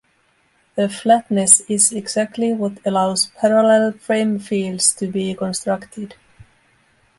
The flatness is exactly what allows parallel frame fields to be constructed.